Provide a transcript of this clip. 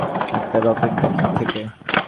একটা রকেট থেকে?